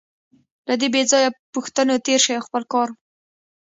له دې بېځایه پوښتنو تېر شئ او خپل کار.